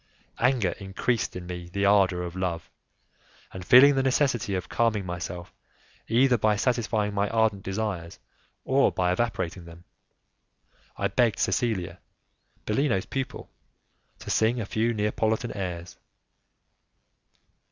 Anger increased in me the ardour of love, and feeling the necessity of calming myself either by satisfying my ardent desires or by evaporating them, I begged Cecilia, Bellino's pupil, to sing a few Neapolitan airs.